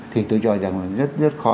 thì tôi cho rằng là rất rất khó